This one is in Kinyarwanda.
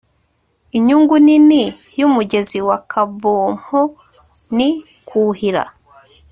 inyungu nini yumugezi wa kabompo ni kuhira